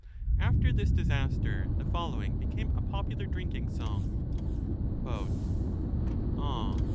After this disaster the following became a popular drinking song : Ah